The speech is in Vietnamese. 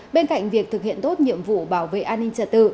bên cạnh việc thực hiện tốt nhiệm vụ bảo vệ an ninh trật tự